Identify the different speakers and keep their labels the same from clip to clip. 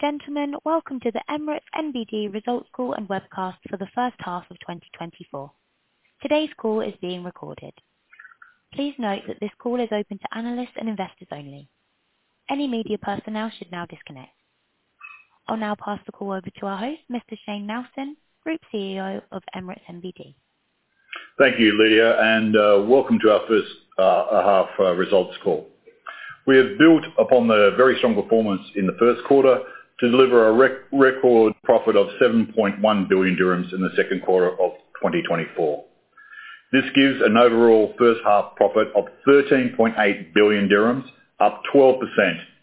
Speaker 1: Gentlemen, welcome to the Emirates NBD Results Call and Webcast for the first half of 2024. Today's call is being recorded. Please note that this call is open to analysts and investors only. Any media personnel should now disconnect. I'll now pass the call over to our host, Mr. Shayne Nelson, Group CEO of Emirates NBD.
Speaker 2: Thank you, Lydia, and welcome to our first half results call. We have built upon the very strong performance in the first quarter to deliver a record profit of 7.1 billion dirhams in the second quarter of 2024. This gives an overall first half profit of 13.8 billion dirhams, up 12%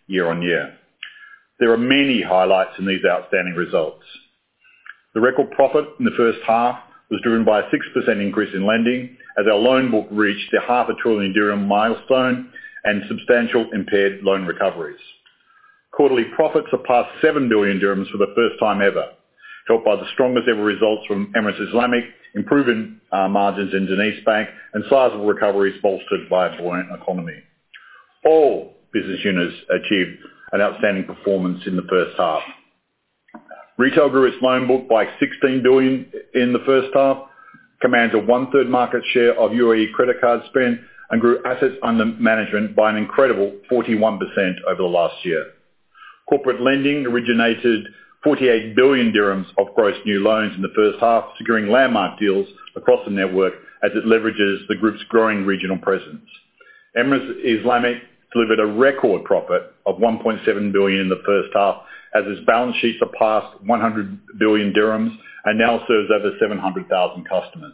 Speaker 2: year-on-year. There are many highlights in these outstanding results. The record profit in the first half was driven by a 6% increase in lending, as our loan book reached a half a trillion dirham milestone and substantial impaired loan recoveries. Quarterly profits surpassed 7 billion dirhams for the first time ever, helped by the strongest ever results from Emirates Islamic, improving margins in DenizBank, and sizable recoveries bolstered by a buoyant economy. All business units achieved an outstanding performance in the first half. Retail grew its loan book by 16 billion in the first half, commands a one-third market share of UAE credit card spend, and grew assets under management by an incredible 41% over the last year. Corporate lending originated 48 billion dirhams of gross new loans in the first half, securing landmark deals across the network as it leverages the group's growing regional presence. Emirates Islamic delivered a record profit of 1.7 billion in the first half, as its balance sheets surpassed 100 billion dirhams and now serves over 700,000 customers.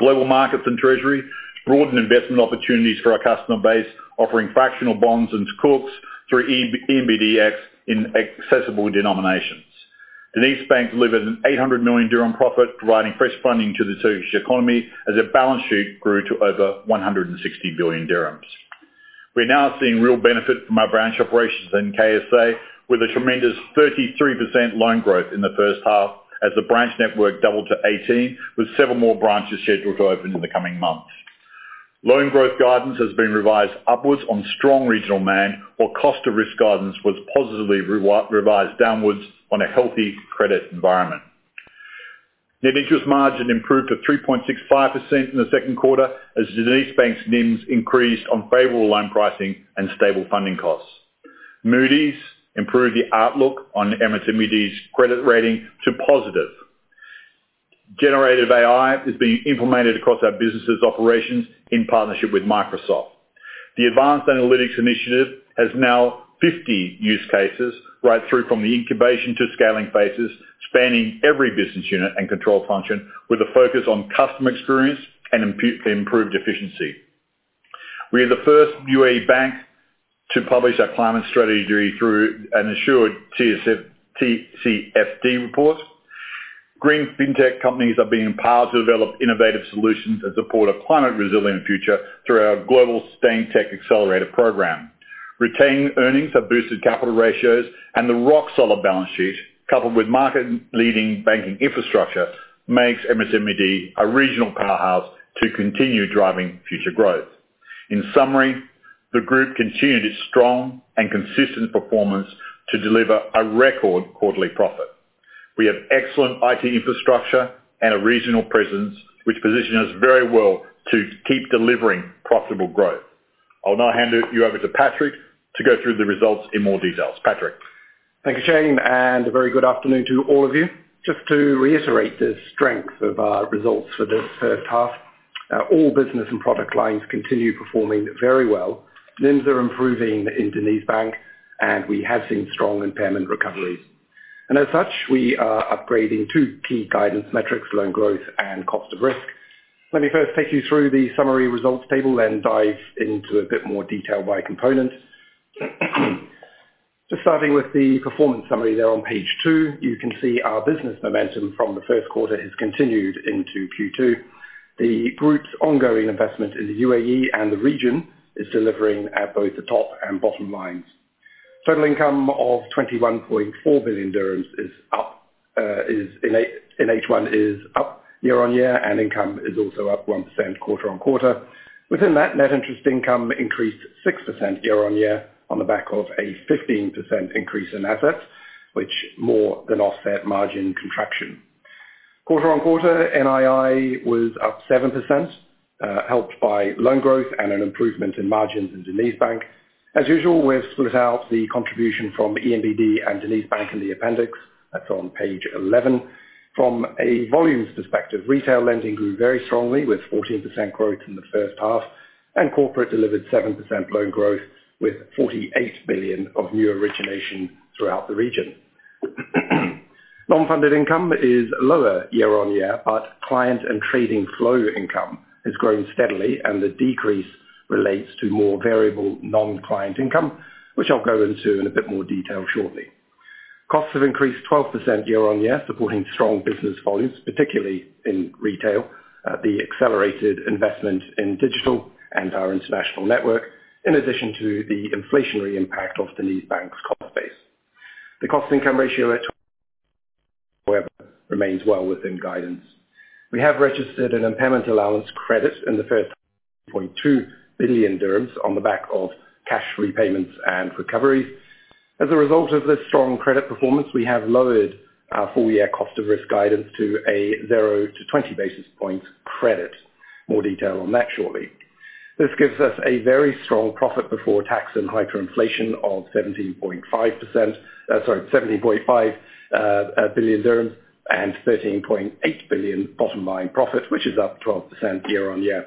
Speaker 2: Global Markets and Treasury broadened investment opportunities for our customer base, offering fractional bonds and sukuk through ENBD X in accessible denominations. DenizBank delivered an 800 million dirham profit, providing fresh funding to the Turkish economy as their balance sheet grew to over 160 billion dirhams. We're now seeing real benefit from our branch operations in KSA, with a tremendous 33% loan growth in the first half, as the branch network doubled to 18, with several more branches scheduled to open in the coming months. Loan growth guidance has been revised upwards on strong regional demand, while cost of risk guidance was positively revised downwards on a healthy credit environment. Net interest margin improved to 3.65% in the second quarter, as DenizBank's NIMs increased on favorable loan pricing and stable funding costs. Moody's improved the outlook on Emirates NBD's credit rating to positive. Generative AI is being implemented across our businesses' operations in partnership with Microsoft. The Advanced Analytics Initiative has now 50 use cases, right through from the incubation to scaling phases, spanning every business unit and control function, with a focus on customer experience and improved efficiency. We are the first UAE bank to publish our climate strategy through an assured TCFD report. Green fintech companies are being empowered to develop innovative solutions that support a climate-resilient future through our global SustainTech accelerator program. Retained earnings have boosted capital ratios, and the rock-solid balance sheet, coupled with market-leading banking infrastructure, makes Emirates NBD a regional powerhouse to continue driving future growth. In summary, the group continued its strong and consistent performance to deliver a record quarterly profit. We have excellent IT infrastructure and a regional presence, which position us very well to keep delivering profitable growth. I'll now hand it over to Patrick to go through the results in more detail. Patrick?
Speaker 3: Thank you, Shayne, and a very good afternoon to all of you. Just to reiterate the strength of our results for the first half, all business and product lines continue performing very well. NIMs are improving in DenizBank, and we have seen strong impairment recoveries. And as such, we are upgrading two key guidance metrics: loan growth and cost of risk. Let me first take you through the summary results table, then dive into a bit more detail by component. Just starting with the performance summary there on page two, you can see our business momentum from the first quarter has continued into Q2. The group's ongoing investment in the UAE and the region is delivering at both the top and bottom lines. Total income of 21.4 billion dirhams is up, is in H1, is up year-on-year, and income is also up 1% quarter-on-quarter. Within that, net interest income increased 6% year-on-year on the back of a 15% increase in assets, which more than offset margin contraction. Quarter-on-quarter, NII was up 7%, helped by loan growth and an improvement in margins in DenizBank. As usual, we've split out the contribution from ENBD and DenizBank in the appendix, that's on page 11. From a volumes perspective, retail lending grew very strongly, with 14% growth in the first half, and corporate delivered 7% loan growth, with 48 billion of new origination throughout the region. Non-funded income is lower year-on-year, but client and trading flow income has grown steadily, and the decrease relates to more variable non-client income, which I'll go into in a bit more detail shortly. Costs have increased 12% year-on-year, supporting strong business volumes, particularly in retail, the accelerated investment in digital and our international network, in addition to the inflationary impact of DenizBank's cost base. The cost income ratio at 12%... however, remains well within guidance. We have registered an impairment allowance credit in the 1.2 billion dirhams on the back of cash repayments and recoveries. As a result of this strong credit performance, we have lowered our full-year cost of risk guidance to a 0-20 basis points credit. More detail on that shortly. This gives us a very strong profit before tax and hyperinflation of 17.5%, sorry, 17.5 billion dirhams and 13.8 billion bottom line profits, which is up 12% year-on-year.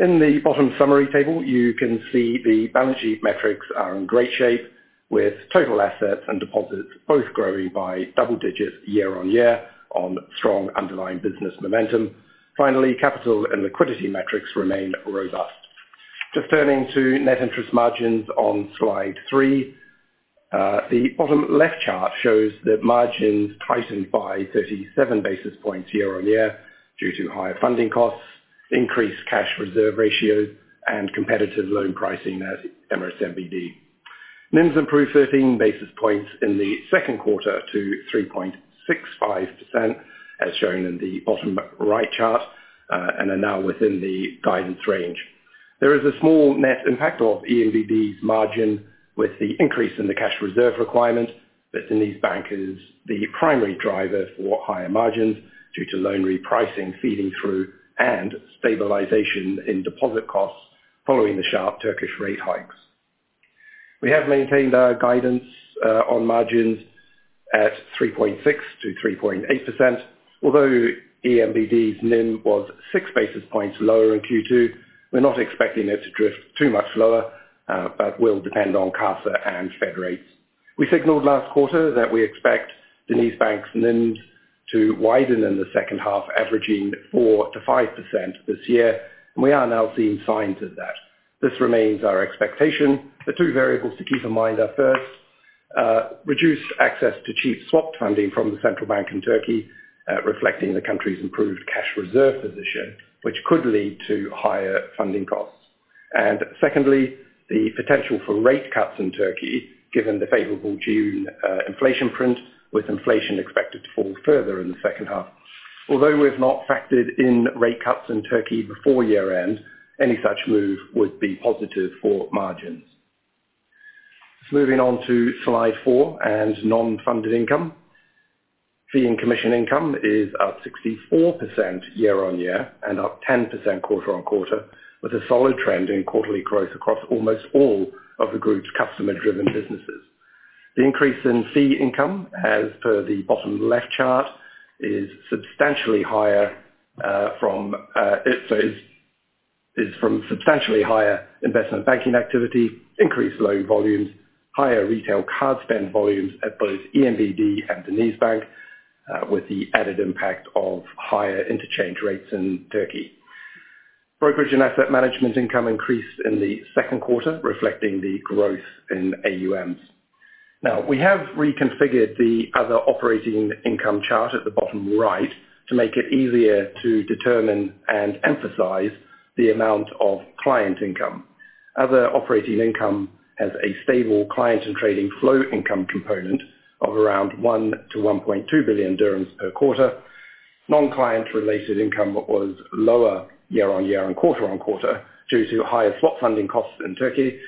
Speaker 3: In the bottom summary table, you can see the balance sheet metrics are in great shape, with total assets and deposits both growing by double digits year-on-year on strong underlying business momentum. Finally, capital and liquidity metrics remain robust. Just turning to net interest margins on Slide three. The bottom left chart shows that margins tightened by 37 basis points year-on-year due to higher funding costs, increased cash reserve ratios, and competitive loan pricing at Emirates NBD. NIMs improved 13 basis points in the second quarter to 3.65%, as shown in the bottom right chart, and are now within the guidance range. There is a small net impact of ENBD's margin with the increase in the cash reserve requirement, that DenizBank is, the primary driver for higher margins due to loan repricing feeding through and stabilization in deposit costs following the sharp Turkish rate hikes. We have maintained our guidance on margins at 3.6%-3.8%. Although ENBD's NIM was six basis points lower in Q2, we're not expecting it to drift too much lower, but will depend on CASA and Fed rates. We signaled last quarter that we expect DenizBank's NIM to widen in the second half, averaging 4%-5% this year, and we are now seeing signs of that. This remains our expectation. The two variables to keep in mind are, first, reduce access to cheap swap funding from the central bank in Turkey, reflecting the country's improved cash reserve position, which could lead to higher funding costs. And secondly, the potential for rate cuts in Turkey, given the favorable June inflation print, with inflation expected to fall further in the second half. Although we've not factored in rate cuts in Turkey before year-end, any such move would be positive for margins. Moving on to Slide four and non-funded income. Fee and commission income is up 64% year-on-year and up 10% quarter-on-quarter, with a solid trend in quarterly growth across almost all of the group's customer-driven businesses. The increase in fee income, as per the bottom left chart, is substantially higher from substantially higher investment banking activity, increased loan volumes, higher retail card spend volumes at both ENBD and DenizBank, with the added impact of higher interchange rates in Turkey. Brokerage and asset management income increased in the second quarter, reflecting the growth in AUMs. Now, we have reconfigured the other operating income chart at the bottom right to make it easier to determine and emphasize the amount of client income. Other operating income has a stable client and trading flow income component of around 1 billion-1.2 billion dirhams per quarter. Non-client related income was lower year-on-year and quarter-on-quarter due to higher swap funding costs in Turkey.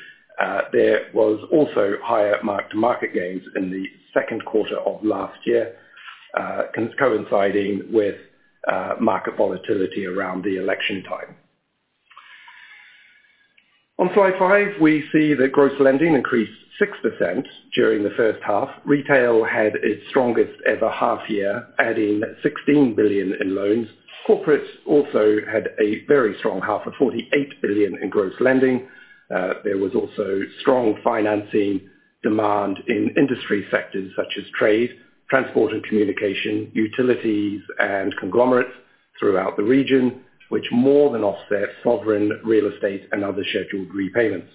Speaker 3: There was also higher mark-to-market gains in the second quarter of last year, coinciding with market volatility around the election time. On Slide five, we see that gross lending increased 6% during the first half. Retail had its strongest-ever half year, adding 16 billion in loans. Corporate also had a very strong half of 48 billion in gross lending. There was also strong financing demand in industry sectors such as trade, transport and communication, utilities, and conglomerates throughout the region, which more than offset sovereign real estate and other scheduled repayments.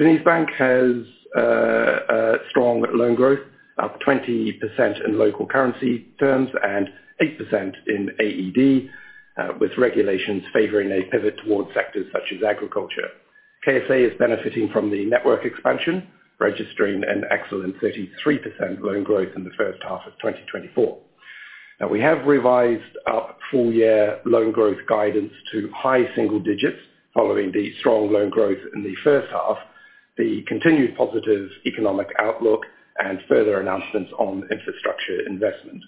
Speaker 3: DenizBank has a strong loan growth, up 20% in local currency terms and 8% in AED, with regulations favoring a pivot towards sectors such as agriculture. KSA is benefiting from the network expansion, registering an excellent 33% loan growth in the first half of 2024. Now, we have revised our full-year loan growth guidance to high single digits following the strong loan growth in the first half, the continued positive economic outlook, and further announcements on infrastructure investment.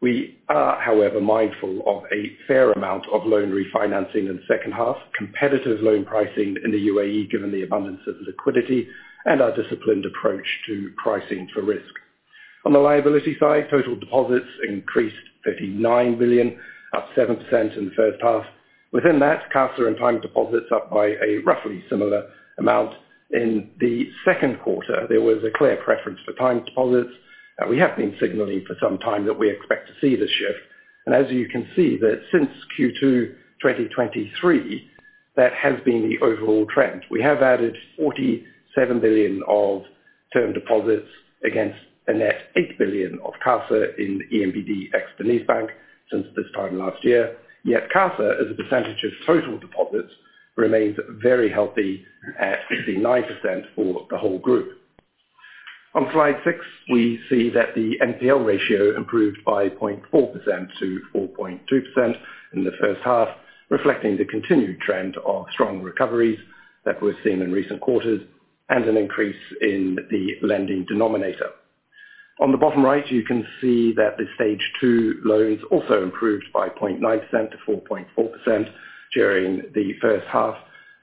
Speaker 3: We are, however, mindful of a fair amount of loan refinancing in the second half, competitive loan pricing in the UAE, given the abundance of liquidity and our disciplined approach to pricing for risk. On the liability side, total deposits increased 39 billion, up 7% in the first half. Within that, CASA and time deposits up by a roughly similar amount. In the second quarter, there was a clear preference for time deposits, and we have been signaling for some time that we expect to see this shift. And as you can see, that since Q2 2023, that has been the overall trend. We have added 47 billion of term deposits against a net 8 billion of CASA in ENBD ex-DenizBank since this time last year. Yet CASA, as a percentage of total deposits remains very healthy at 69% for the whole group. On slide six, we see that the NPL ratio improved by 0.4% to 4.2% in the first half, reflecting the continued trend of strong recoveries that we've seen in recent quarters and an increase in the lending denominator. On the bottom right, you can see that the Stage two loans also improved by 0.9% to 4.4% during the first half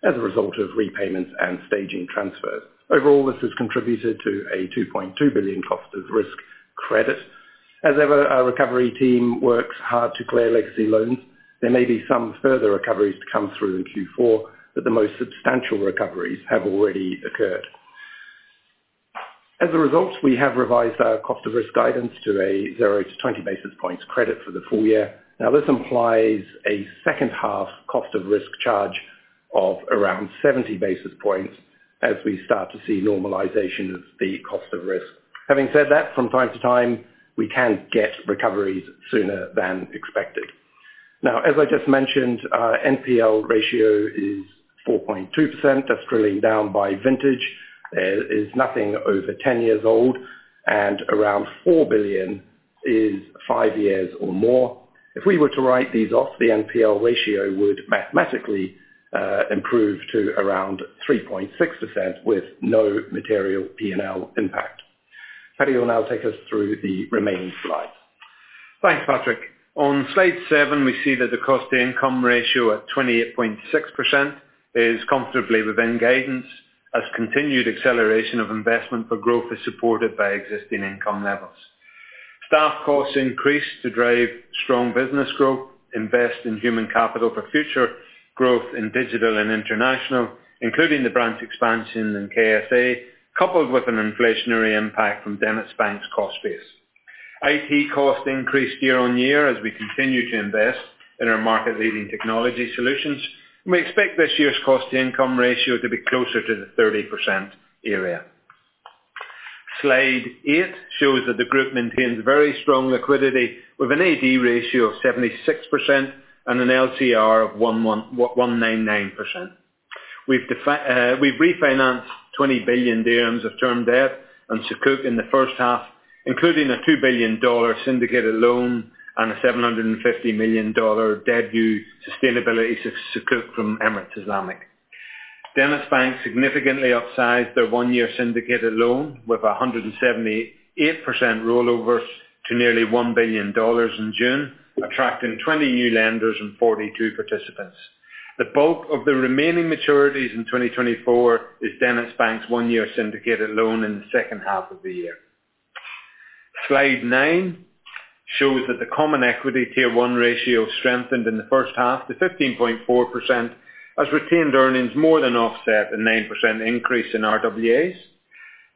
Speaker 3: as a result of repayments and staging transfers. Overall, this has contributed to a 2.2 billion cost of risk credit. As ever, our recovery team works hard to clear legacy loans. There may be some further recoveries to come through in Q4, but the most substantial recoveries have already occurred. As a result, we have revised our cost of risk guidance to a 0-20 basis points credit for the full-year. Now, this implies a second half cost of risk charge of around 70 basis points as we start to see normalization of the cost of risk. Having said that, from time to time, we can get recoveries sooner than expected. Now, as I just mentioned, NPL ratio is 4.2%. That's drilling down by vintage. is nothing over 10 years old, and around 4 billion is five years or more. If we were to write these off, the NPL ratio would mathematically, improve to around 3.6% with no material P&L impact. Paddy will now take us through the remaining slides.
Speaker 4: Thanks, Patrick. On slide seven, we see that the cost-to-income ratio at 28.6% is comfortably within guidance, as continued acceleration of investment for growth is supported by existing income levels. Staff costs increased to drive strong business growth, invest in human capital for future growth in digital and international, including the branch expansion in KSA, coupled with an inflationary impact from DenizBank's cost base. IT costs increased year-on-year as we continue to invest in our market-leading technology solutions. We expect this year's cost-to-income ratio to be closer to the 30% area. Slide eight shows that the group maintains very strong liquidity with an AD ratio of 76% and an LCR of 111.99%. We've refinanced 20 billion dirhams of term debt and Sukuk in the first half, including a $2 billion syndicated loan and a $750 million debut sustainability Sukuk from Emirates Islamic. DenizBank significantly upsized their one-year syndicated loan with a 178% rollovers to nearly $1 billion in June, attracting 20 new lenders and 42 participants. The bulk of the remaining maturities in 2024 is DenizBank's one-year syndicated loan in the second half of the year. Slide nine shows that the Common Equity Tier 1 ratio strengthened in the first half to 15.4%, as retained earnings more than offset the 9% increase in RWAs.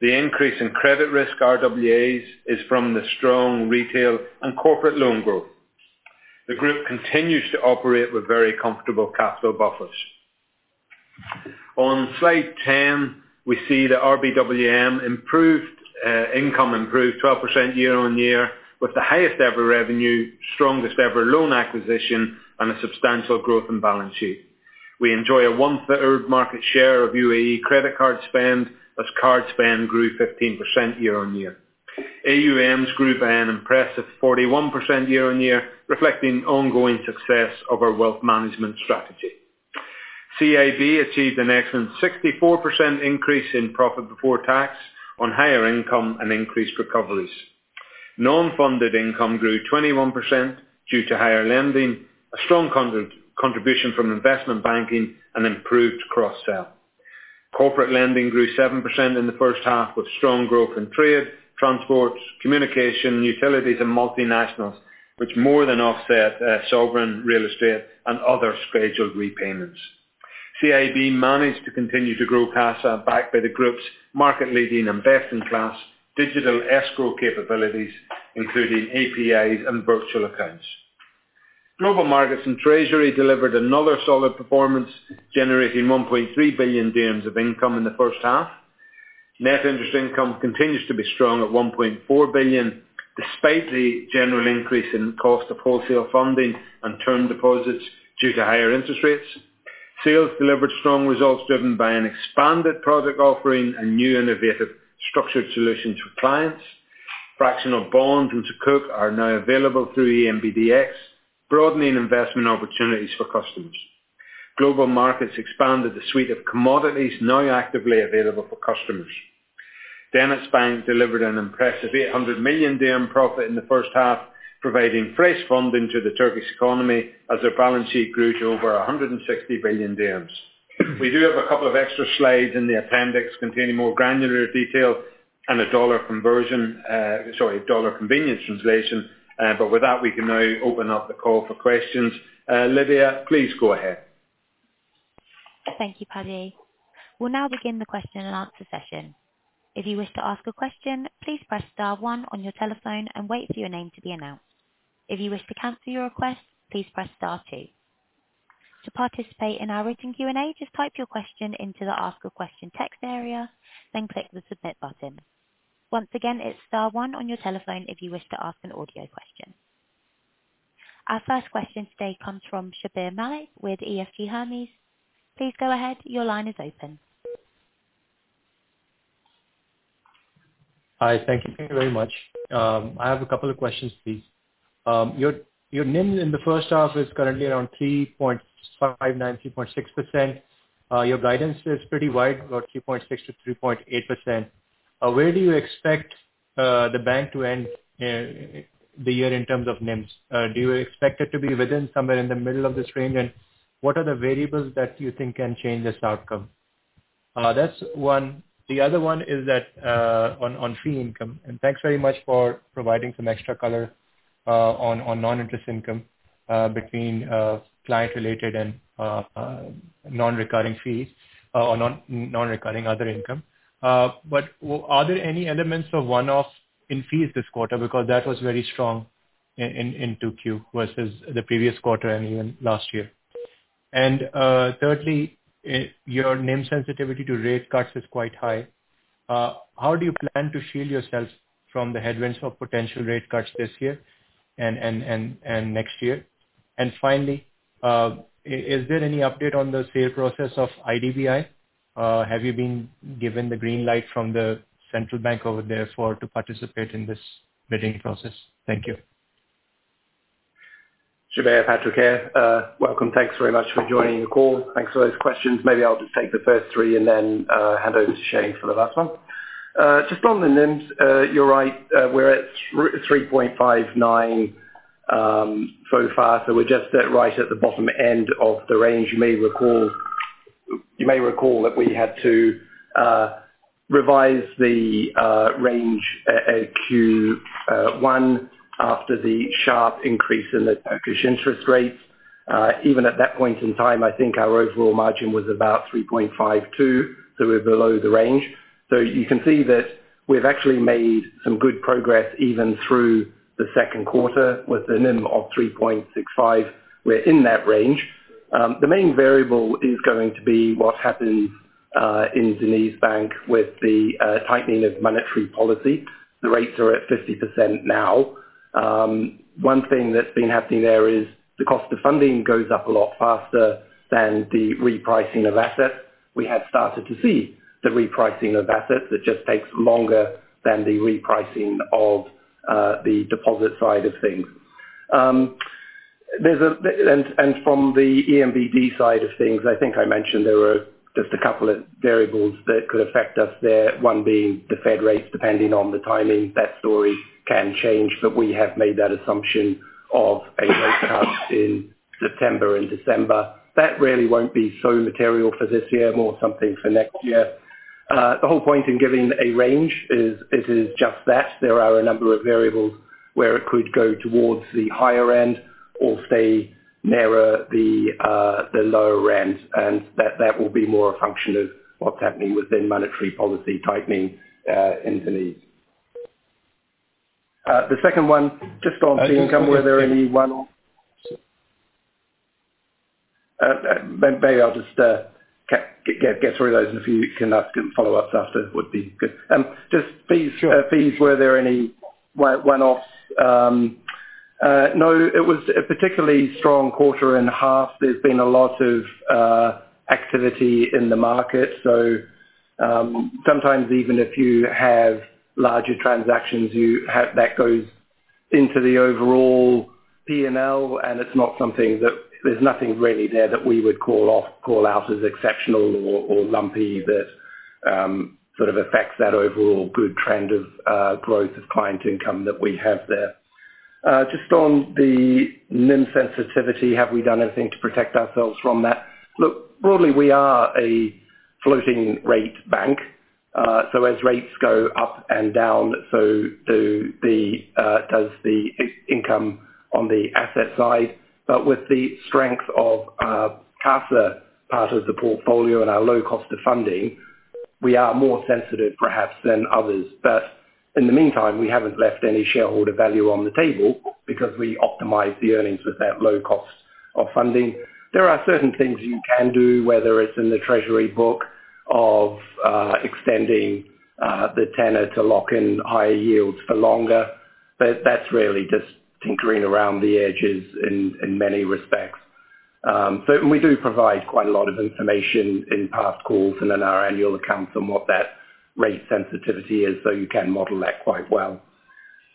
Speaker 4: The increase in credit risk RWAs is from the strong retail and corporate loan growth. The group continues to operate with very comfortable capital buffers. On slide 10, we see that RBWM improved, income improved 12% year-on-year, with the highest ever revenue, strongest ever loan acquisition, and a substantial growth in balance sheet. We enjoy a one-third market share of UAE credit card spend, as card spend grew 15% year-on-year. AUMs grew by an impressive 41% year-on-year, reflecting the ongoing success of our wealth management strategy. CIB achieved an excellent 64% increase in profit before tax on higher income and increased recoveries. Non-funded income grew 21% due to higher lending, a strong contribution from investment banking, and improved cross-sell. Corporate lending grew 7% in the first half, with strong growth in trade, transports, communication, utilities, and multinationals, which more than offset, sovereign real estate and other scheduled repayments. CIB managed to continue to grow CASA, backed by the group's market-leading and best-in-class digital escrow capabilities, including APIs and virtual accounts. Global Markets and Treasury delivered another solid performance, generating 1.3 billion dirhams of income in the first half. Net interest income continues to be strong at 1.4 billion, despite the general increase in cost of wholesale funding and term deposits due to higher interest rates. Sales delivered strong results, driven by an expanded product offering and new innovative structured solutions for clients. Fractional bonds and Sukuk are now available through ENBD X, broadening investment opportunities for customers. Global Markets expanded the suite of commodities now actively available for customers. DenizBank delivered an impressive 800 million dirham profit in the first half, providing fresh funding to the Turkish economy as their balance sheet grew to over 160 billion dirhams. We do have a couple of extra slides in the appendix containing more granular detail and a dollar conversion, sorry, dollar convenience translation, but with that, we can now open up the call for questions. Lydia, please go ahead.
Speaker 1: Thank you, Paddy. We'll now begin the question and answer session. If you wish to ask a question, please press star one on your telephone and wait for your name to be announced. If you wish to cancel your request, please press star two. To participate in our written Q&A, just type your question into the "Ask a question" text area, then click the Submit button. Once again, it's star one on your telephone if you wish to ask an audio question.... Our first question today comes from Shabbir Malik with EFG Hermes. Please go ahead. Your line is open.
Speaker 5: Hi, thank you very much. I have a couple of questions, please. Your NIM in the first half is currently around 3.59, 3.6%. Your guidance is pretty wide, about 3.6%-3.8%. Where do you expect the bank to end the year in terms of NIMs? Do you expect it to be within somewhere in the middle of this range? And what are the variables that you think can change this outcome? That's one. The other one is that, on fee income. And thanks very much for providing some extra color on non-interest income, between client-related and non-recurring fees, or non-recurring other income. But are there any elements of one-off in fees this quarter? Because that was very strong in 2Q versus the previous quarter and even last year. And, thirdly, your NIM sensitivity to rate cuts is quite high. How do you plan to shield yourselves from the headwinds of potential rate cuts this year and next year? And finally, is there any update on the sale process of IDBI? Have you been given the green light from the central bank over there to participate in this bidding process? Thank you.
Speaker 3: Shabbir, Patrick here. Welcome. Thanks very much for joining the call. Thanks for those questions. Maybe I'll just take the first three and then hand over to Shayne for the last one. Just on the NIMs, you're right, we're at 3.59 so far, so we're just at right at the bottom end of the range. You may recall, you may recall that we had to revise the range at Q1, after the sharp increase in the Turkish interest rates. Even at that point in time, I think our overall margin was about 3.52, so we're below the range. So you can see that we've actually made some good progress, even through the second quarter, with the NIM of 3.65. We're in that range. The main variable is going to be what happens in DenizBank with the tightening of monetary policy. The rates are at 50% now. One thing that's been happening there is the cost of funding goes up a lot faster than the repricing of assets. We have started to see the repricing of assets, it just takes longer than the repricing of the deposit side of things. And from the ENBD side of things, I think I mentioned there were just a couple of variables that could affect us there, one being the Fed rates, depending on the timing, that story can change, but we have made that assumption of a rate cut in September and December. That really won't be so material for this year, more something for next year. The whole point in giving a range is, it is just that, there are a number of variables where it could go towards the higher end or say, nearer the, the lower end, and that, that will be more a function of what's happening within monetary policy tightening, in Turkey.
Speaker 5: The second one, just on the income, were there any one-
Speaker 3: Maybe I'll just get through those, and if you can ask follow-ups after would be good. Just fees.
Speaker 5: Sure.
Speaker 4: Fees, were there any one-offs? No, it was a particularly strong quarter in half. There's been a lot of activity in the market, so sometimes even if you have larger transactions, you have... That goes into the overall PNL, and it's not something that. There's nothing really there that we would call off, call out as exceptional or lumpy, that sort of affects that overall good trend of growth of client income that we have there. Just on the NIM sensitivity, have we done anything to protect ourselves from that? Look, broadly, we are a floating rate bank, so as rates go up and down, so does the income on the asset side. But with the strength of CASA part of the portfolio and our low cost of funding, we are more sensitive perhaps than others. But in the meantime, we haven't left any shareholder value on the table because we optimize the earnings with that low cost of funding. There are certain things you can do, whether it's in the treasury book of extending the tenor to lock in higher yields for longer, but that's really just tinkering around the edges in many respects. So and we do provide quite a lot of information in past calls and in our annual accounts on what that rate sensitivity is, so you can model that quite well.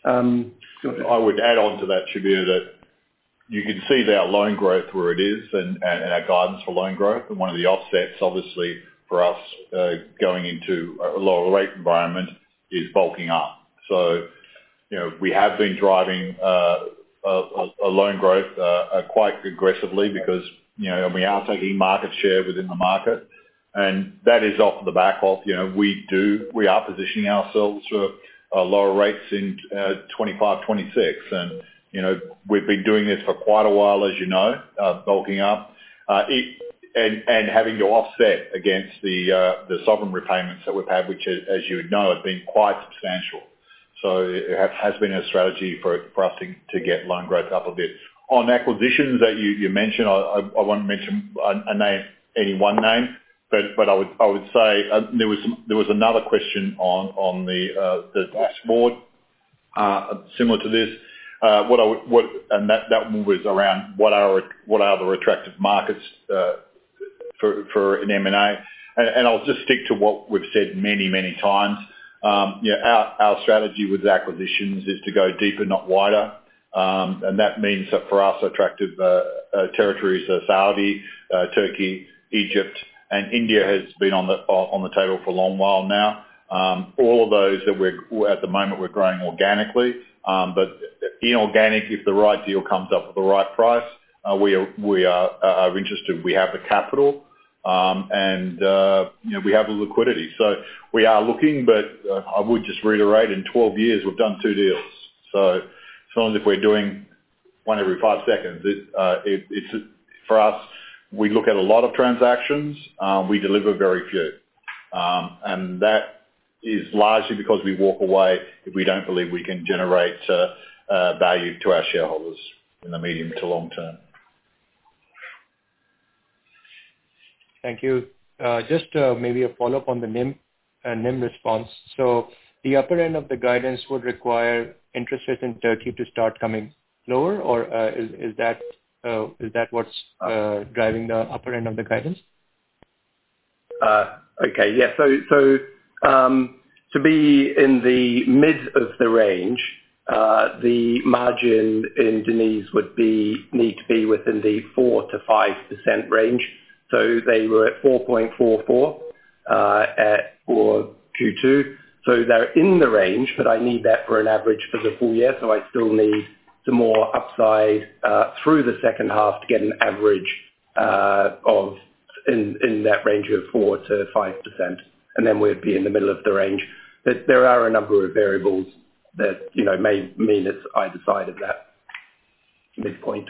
Speaker 4: Go ahead.
Speaker 2: I would add on to that, Shabbir, that you can see our loan growth where it is and our guidance for loan growth, and one of the offsets, obviously, for us, going into a lower rate environment is bulking up. So, you know, we have been driving loan growth quite aggressively because, you know, we are taking market share within the market, and that is off the back of, you know, we are positioning ourselves for lower rates in 2025, 2026. And, you know, we've been doing this for quite a while, as you know, bulking up. And having to offset against the sovereign repayments that we've had, which as you would know, have been quite substantial. So it has been a strategy for us to get loan growth up a bit. On acquisitions that you mentioned, I won't mention a name, any one name. But I would say, there was another question on the board, similar to this. What I would—and that one was around what are the attractive markets for an M&A? And I'll just stick to what we've said many times. You know, our strategy with acquisitions is to go deeper, not wider. And that means that for us, attractive territories are Saudi, Turkey, Egypt, and India has been on the table for a long while now. All of those that we're, at the moment, we're growing organically. But inorganic, if the right deal comes up at the right price, we are, we are, are interested. We have the capital, and, you know, we have the liquidity. So we are looking, but, I would just reiterate, in 12 years, we've done two deals. So as long as if we're doing one every fiv- seconds, it, it, it's, for us, we look at a lot of transactions, we deliver very few. And that is largely because we walk away if we don't believe we can generate, value to our shareholders in the medium to long term.
Speaker 5: Thank you. Just maybe a follow-up on the NIM response. So the upper end of the guidance would require interest rates in Turkey to start coming lower, or is that what's driving the upper end of the guidance?
Speaker 3: Okay. Yeah. So, to be in the mid of the range, the margin in Deniz would be, need to be within the 4%-5% range. So they were at 4.44, at 4.22. So they're in the range, but I need that for an average for the full year, so I still need some more upside, through the second half to get an average, of in, in that range of 4%-5%, and then we'd be in the middle of the range. But there are a number of variables that, you know, may mean it's either side of that midpoint.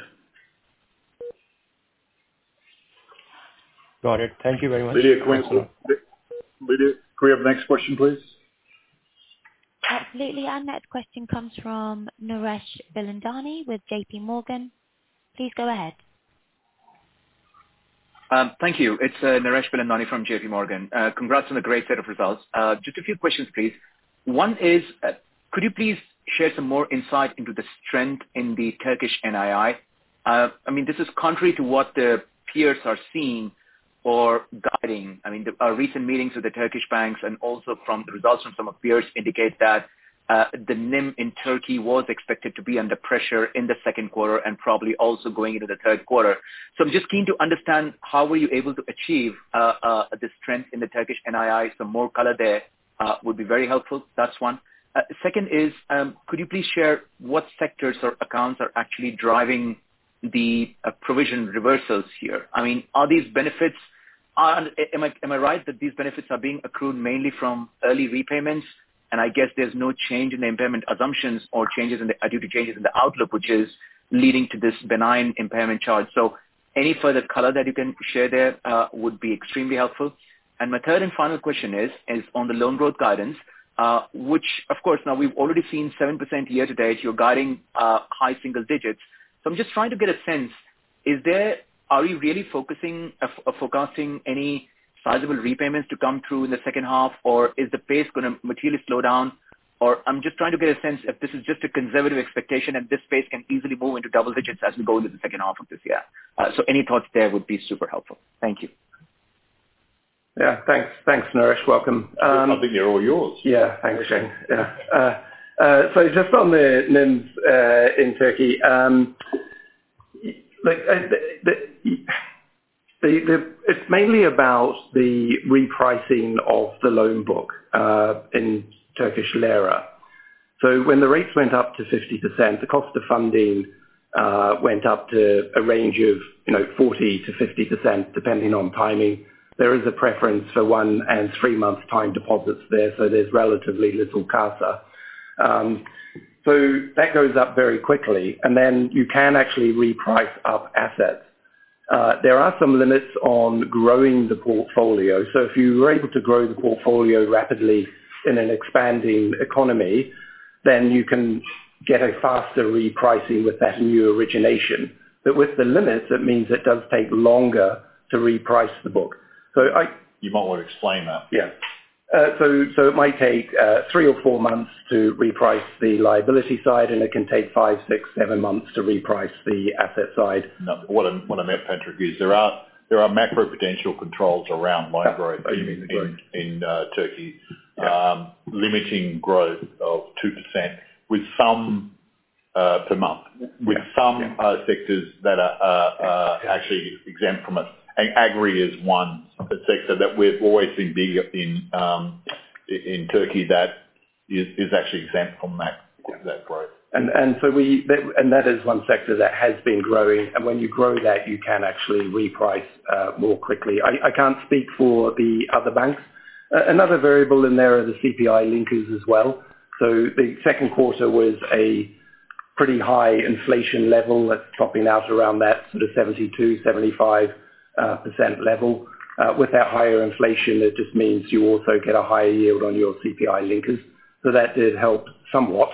Speaker 5: Got it. Thank you very much.
Speaker 3: Lydia, can we have the next question, please?
Speaker 1: Absolutely. Our next question comes from Naresh Bilandani with J.P. Morgan. Please go ahead.
Speaker 6: Thank you. It's Naresh Bilandani from J.P. Morgan. Congrats on the great set of results. Just a few questions, please. One is, could you please share some more insight into the strength in the Turkish NII? I mean, this is contrary to what the peers are seeing or guiding. I mean, our recent meetings with the Turkish banks and also from the results from some peers indicate that, the NIM in Turkey was expected to be under pressure in the second quarter and probably also going into the third quarter. So I'm just keen to understand how were you able to achieve, the strength in the Turkish NII? Some more color there, would be very helpful. That's one. Second is, could you please share what sectors or accounts are actually driving the, provision reversals here? I mean, are these benefits? Am I right that these benefits are being accrued mainly from early repayments? And I guess there's no change in the impairment assumptions or changes in the due to changes in the outlook, which is leading to this benign impairment charge. So any further color that you can share there would be extremely helpful. And my third and final question is on the loan growth guidance, which of course, now we've already seen 7% year to date. You're guiding high single digits. So I'm just trying to get a sense, are we really focusing or forecasting any sizable repayments to come through in the second half? Or is the pace gonna materially slow down? Or I'm just trying to get a sense if this is just a conservative expectation and this pace can easily move into double digits as we go into the second half of this year? So any thoughts there would be super helpful. Thank you.
Speaker 3: Yeah, thanks. Thanks, Naresh. Welcome.
Speaker 2: I think they're all yours.
Speaker 3: Yeah. Thanks, Shayne. Yeah. So just on the NIMs in Turkey, like, it's mainly about the repricing of the loan book in Turkish lira. So when the rates went up to 50%, the cost of funding went up to a range of, you know, 40%-50%, depending on timing. There is a preference for 1- and 3-month time deposits there, so there's relatively little CASA. So that goes up very quickly, and then you can actually reprice up assets. There are some limits on growing the portfolio. So if you were able to grow the portfolio rapidly in an expanding economy, then you can get a faster repricing with that new origination. But with the limits, it means it does take longer to reprice the book. So I-
Speaker 2: You might want to explain that.
Speaker 3: Yeah. So it might take three or four months to reprice the liability side, and it can take five, six, seven months to reprice the asset side.
Speaker 2: Now, what I meant, Patrick, is there are macro-prudential controls around loan growth-
Speaker 3: Yeah, I agree.
Speaker 2: in Turkey, limiting growth of 2%, with some per month.
Speaker 3: Yeah.
Speaker 2: With some sectors that are actually exempt from it. Agri is one sector that we've always been big in, in Turkey, that is actually exempt from that growth.
Speaker 3: That is one sector that has been growing, and when you grow that, you can actually reprice more quickly. I can't speak for the other banks. Another variable in there are the CPI linkers as well. So the second quarter was a pretty high inflation level, that's topping out around that sort of 72%-75% level. With that higher inflation, it just means you also get a higher yield on your CPI linkers. So that did help somewhat.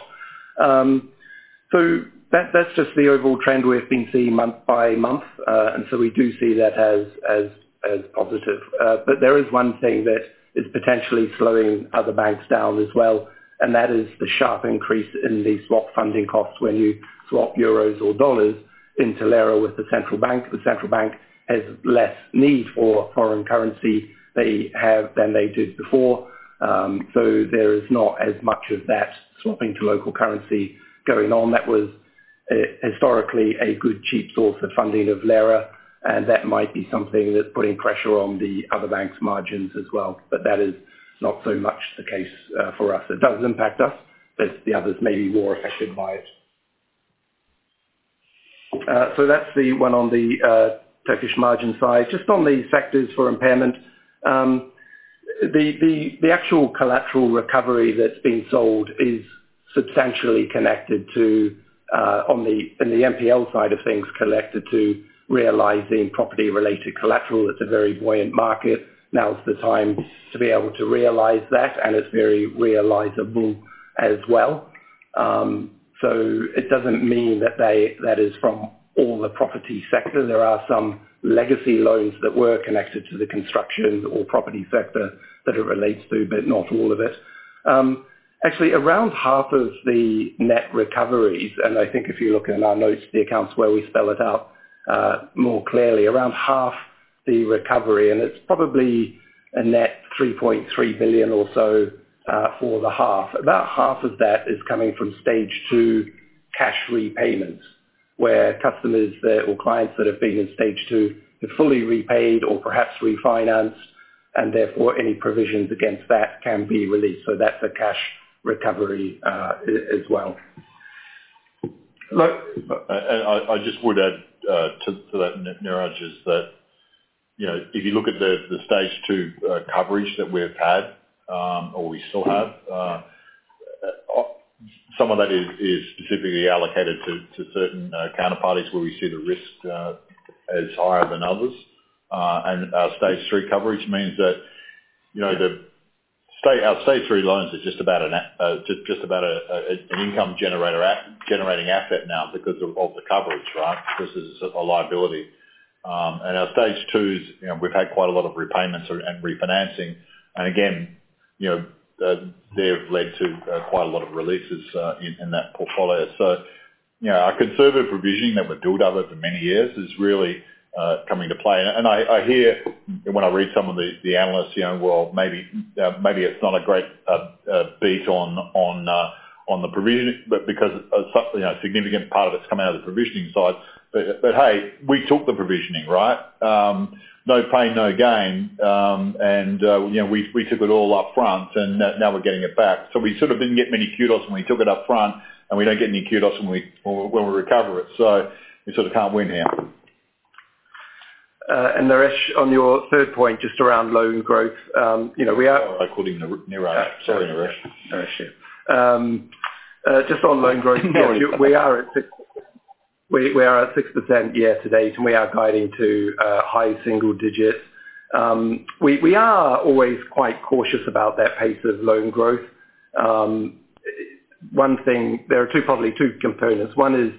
Speaker 3: So that's just the overall trend we've been seeing month by month, and so we do see that as positive. But there is one thing that is potentially slowing other banks down as well, and that is the sharp increase in the swap funding costs when you swap euros or dollars into lira with the central bank. The central bank has less need for foreign currency they have than they did before, so there is not as much of that swapping to local currency going on. That was, historically, a good cheap source of funding of lira, and that might be something that's putting pressure on the other bank's margins as well, but that is not so much the case, for us. It does impact us, but the others may be more affected by it. So that's the one on the, Turkish margin side. Just on the sectors for impairment, the actual collateral recovery that's been sold is substantially connected to, on the, in the NPL side of things, connected to realizing property-related collateral. It's a very buoyant market. Now is the time to be able to realize that, and it's very realizable as well. So it doesn't mean that they - that is from all the property sectors. There are some legacy loans that were connected to the construction or property sector that it relates to, but not all of it. Actually, around half of the net recoveries, and I think if you look in our notes, the accounts where we spell it out, more clearly, around half the recovery, and it's probably a net 3.3 billion or so, for the half. About half of that is coming from Stage two cash repayments, where customers that, or clients that have been in Stage two, have fully repaid or perhaps refinanced, and therefore, any provisions against that can be released. So that's a cash recovery, as well.
Speaker 2: Look, I just would add to that, Niraj, is that, you know, if you look at the Stage two coverage that we've had, or we still have, some of that is specifically allocated to certain counterparties where we see the risk as higher than others. And our Stage three coverage means that, you know, our Stage three loans are just about an income generating asset now because of the coverage, right? This is a liability. And our Stage twos, you know, we've had quite a lot of repayments and refinancing. And again, you know, they've led to quite a lot of releases in that portfolio. So, you know, our conservative provisioning that we've built up over many years is really coming to play. And I hear when I read some of the analysts, you know, well, maybe maybe it's not a great beat on the provision, but because a sub- you know, a significant part of it's coming out of the provisioning side. But hey, we took the provisioning, right? No pain, no gain. And you know, we took it all up front, and now we're getting it back. So we sort of didn't get many kudos when we took it up front, and we don't get any kudos when we recover it, so we sort of can't win now.
Speaker 3: Naresh, on your third point, just around loan growth, you know, we are-
Speaker 2: Sorry, I called him Niraj. Sorry, Naresh.
Speaker 3: Naresh, yeah. Just on loan growth, we are at 6%, year to date, and we are guiding to high single digits. We are always quite cautious about that pace of loan growth. One thing. There are two, probably two components. One is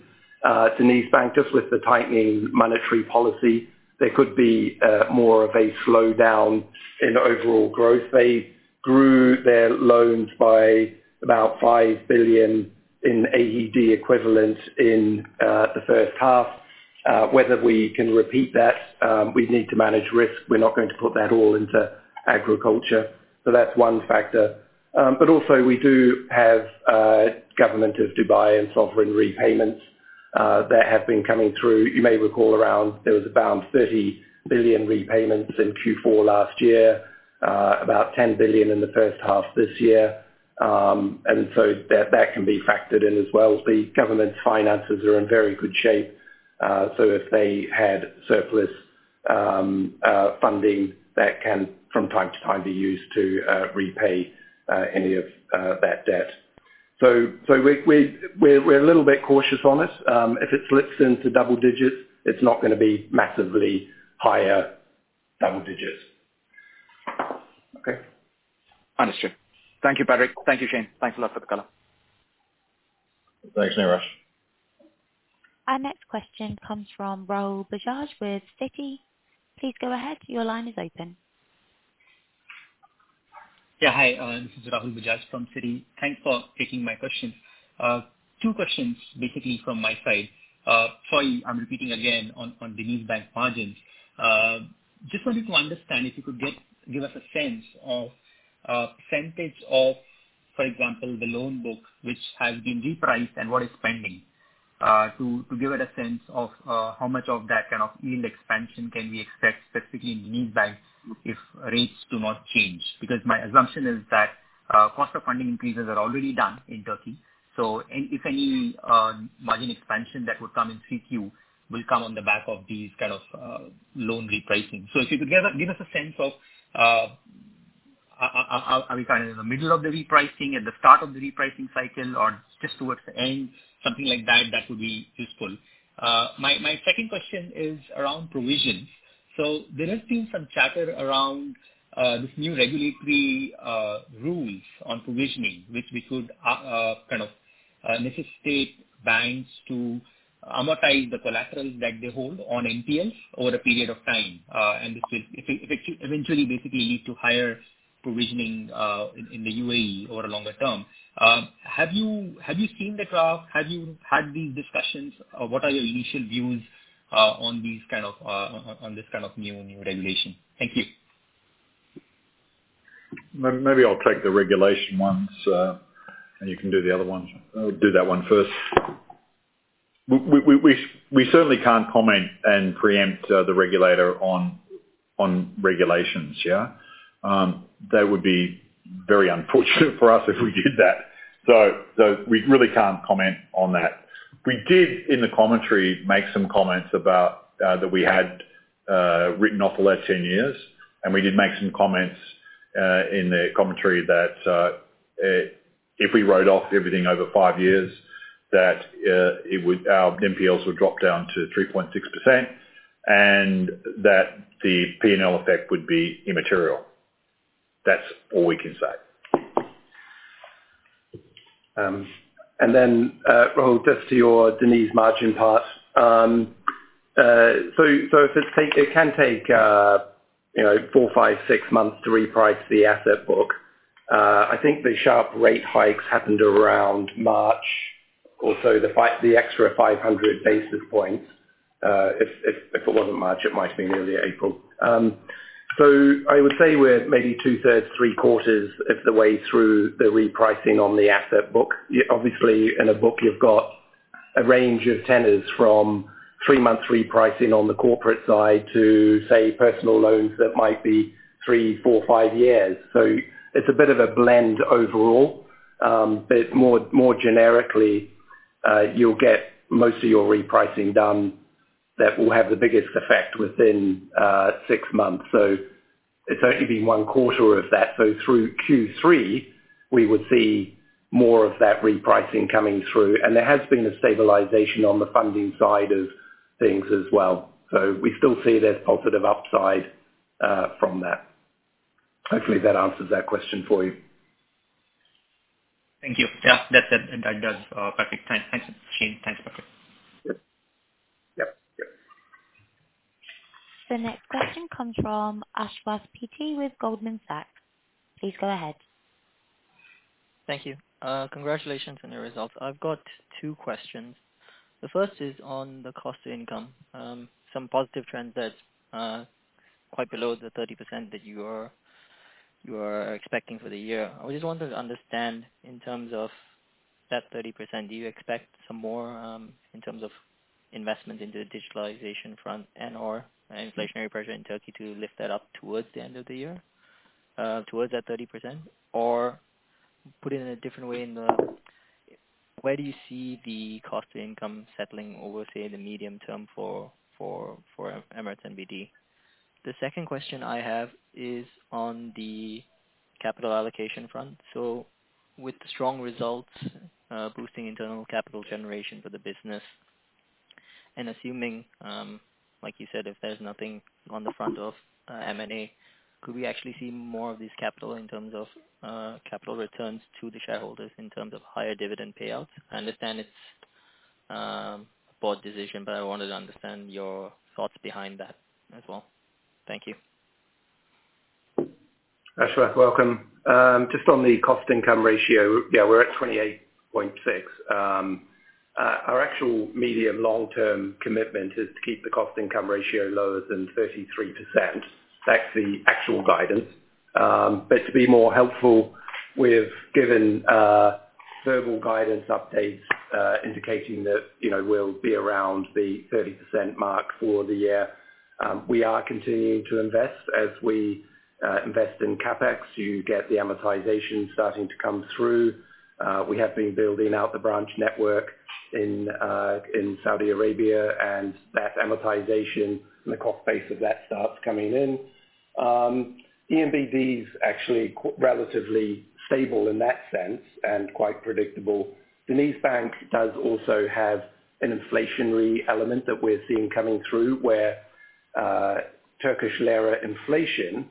Speaker 3: DenizBank, just with the tightening monetary policy, there could be more of a slowdown in overall growth. They grew their loans by about 5 billion AED equivalent in the first half. Whether we can repeat that, we need to manage risk. We're not going to put that all into agriculture. So that's one factor. But also we do have government of Dubai and sovereign repayments that have been coming through. You may recall around, there was around 30 billion repayments in Q4 last year, about 10 billion in the first half this year. And so that can be factored in as well. The government's finances are in very good shape, so if they had surplus funding, that can from time to time be used to repay any of that debt. So we are a little bit cautious on it. If it slips into double digits, it's not gonna be massively higher double digits.
Speaker 2: Okay?
Speaker 6: Understood. Thank you, Patrick. Thank you, Shayne. Thanks a lot for the color.
Speaker 2: Thanks, Naresh.
Speaker 1: Our next question comes from Rahul Bajaj with Citi. Please go ahead. Your line is open.
Speaker 7: Yeah, hi, this is Rahul Bajaj from Citi. Thanks for taking my questions. Two questions, basically from my side. Sorry, I'm repeating again on DenizBank margins. Just wanted to understand, if you could give us a sense of percentage of, for example, the loan book, which has been repriced and what is pending to give it a sense of how much of that kind of yield expansion can we expect, specifically in DenizBank, if rates do not change? Because my assumption is that cost of funding increases are already done in Turkey, so if any margin expansion that would come in CQ will come on the back of these kind of loan repricing. So if you could give us, give us a sense of, are we kind of in the middle of the repricing, at the start of the repricing cycle, or just towards the end? Something like that, that would be useful. My second question is around provisions. So there has been some chatter around this new regulatory rules on provisioning, which we could kind of necessitate banks to amortize the collaterals that they hold on NPLs over a period of time. And this will, if it eventually basically lead to higher provisioning in the UAE over a longer term. Have you seen the draft? Have you had these discussions? What are your initial views on this kind of new regulation? Thank you.
Speaker 2: Maybe I'll take the regulation ones, and you can do the other ones. I'll do that one first. We certainly can't comment and preempt the regulator on regulations, yeah? That would be very unfortunate for us if we did that. So we really can't comment on that. We did, in the commentary, make some comments about that we had written off the last 10 years, and we did make some comments in the commentary that if we wrote off everything over five years, that our NPLs would drop down to 3.6%, and that the P&L effect would be immaterial. That's all we can say.
Speaker 3: And then, Rahul, just to your Deniz margin part. So, it can take, you know, four, five, six months to reprice the asset book. I think the sharp rate hikes happened around March, or so, the extra 500 basis points. If it wasn't March, it might have been earlier April. So, I would say we're maybe two thirds, three quarters of the way through the repricing on the asset book. Obviously, in a book, you've got a range of tenors from 3-month repricing on the corporate side to, say, personal loans that might be three, four, five years. So it's a bit of a blend overall. But more generically, you'll get most of your repricing done that will have the biggest effect within 6 months. So it's only been one quarter of that. So through Q3, we would see more of that repricing coming through, and there has been a stabilization on the funding side of things as well. So we still see there's positive upside, from that. Hopefully, that answers that question for you.
Speaker 7: Thank you. Yeah, that's it. That does. Perfect. Thanks. Thanks, Shayne. Thanks, Patrick.
Speaker 3: Yep. Yep. Yep.
Speaker 1: The next question comes from Ashwath P.T. with Goldman Sachs. Please go ahead.
Speaker 8: Thank you. Congratulations on the results. I've got two questions. The first is on the cost to income. Some positive trends that quite below the 30% that you are, you are expecting for the year. I just wanted to understand in terms of that 30%, do you expect some more, in terms of investment into the digitalization front and/or an inflationary pressure in Turkey to lift that up towards the end of the year, towards that 30%? Or put it in a different way, where do you see the cost to income settling over, say, the medium term for Emirates NBD? The second question I have is on the capital allocation front. So with strong results, boosting internal capital generation for the business, and assuming, like you said, if there's nothing on the front of, M&A, could we actually see more of this capital in terms of, capital returns to the shareholders in terms of higher dividend payouts? I understand it's, board decision, but I wanted to understand your thoughts behind that as well. Thank you.
Speaker 3: Ashwath, welcome. Just on the cost income ratio, yeah, we're at 28.6%. Our actual medium, long-term commitment is to keep the cost income ratio lower than 33%. That's the actual guidance. But to be more helpful, we've given verbal guidance updates indicating that, you know, we'll be around the 30% mark for the year. We are continuing to invest. As we invest in CapEx, you get the amortization starting to come through. We have been building out the branch network in Saudi Arabia, and that amortization and the cost base of that starts coming in. ENBD's actually relatively stable in that sense, and quite predictable. DenizBank does also have an inflationary element that we're seeing coming through, where Turkish lira inflation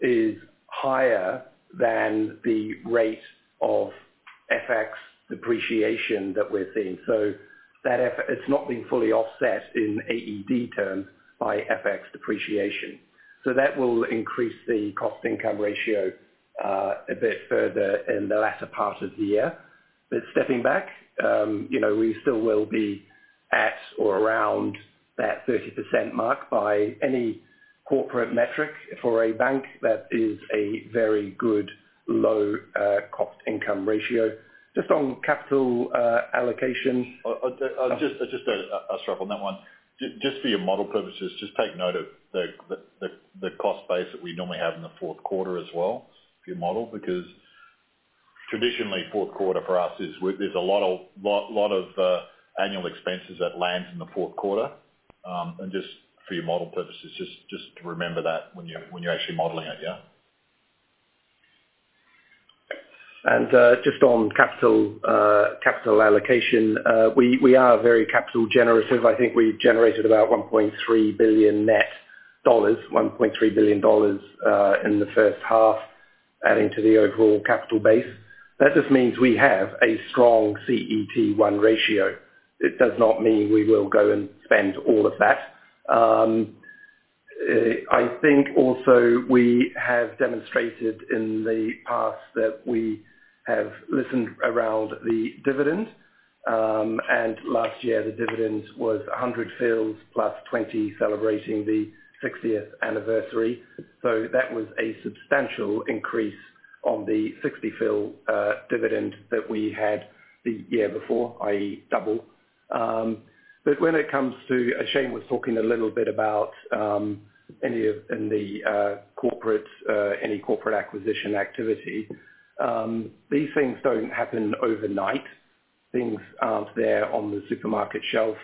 Speaker 3: is higher than the rate of FX depreciation that we're seeing. So that it's not been fully offset in AED terms by FX depreciation. So that will increase the cost income ratio a bit further in the latter part of the year. But stepping back, you know, we still will be at or around that 30% mark by any corporate metric. For a bank, that is a very good, low cost income ratio. Just on capital allocation-
Speaker 2: Just, just—sorry on that one. Just for your model purposes, just take note of the cost base that we normally have in the fourth quarter as well for your model, because traditionally, fourth quarter for us is—there's a lot of annual expenses that land in the fourth quarter. And just for your model purposes, just to remember that when you're actually modeling it, yeah?
Speaker 3: ...And just on capital, capital allocation, we are very capital generative. I think we generated about $1.3 billion net dollars, $1.3 billion dollars, in the first half, adding to the overall capital base. That just means we have a strong CET1 ratio. It does not mean we will go and spend all of that. I think also we have demonstrated in the past that we have listened around the dividend, and last year, the dividend was 100 fils + 20, celebrating the 60th anniversary. So that was a substantial increase on the 60 fils dividend that we had the year before, i.e., double. But when it comes to, as Shayne was talking a little bit about, any of- in the corporate, any corporate acquisition activity, these things don't happen overnight. Things aren't there on the supermarket shelf.